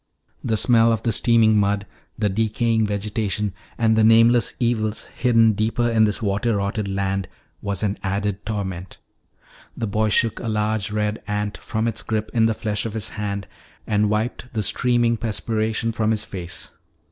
The smell of the steaming mud, the decaying vegetation, and the nameless evils hidden deeper in this water rotted land was an added torment. The boy shook a large red ant from its grip in the flesh of his hand and wiped the streaming perspiration from his face.